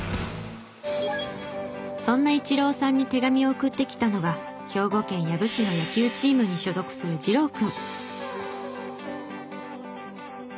そんなイチローさんに手紙を送ってきたのが兵庫県養父市の野球チームに所属する仁朗君。